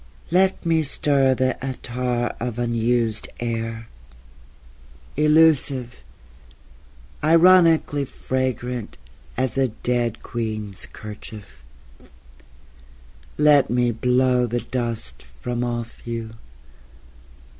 Let me stir the attar of unused air, Elusive... ironically fragrant As a dead queen's kerchief... Let me blow the dust from off you...